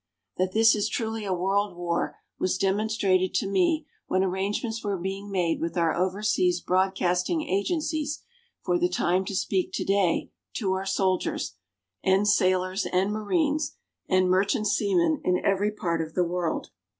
That this is truly a World War was demonstrated to me when arrangements were being made with our overseas broadcasting agencies for the time to speak today to our soldiers, and sailors, and marines and merchant seamen in every part of the world.